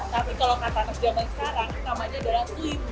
tapi kalau katanya zaman sekarang namanya adalah swimming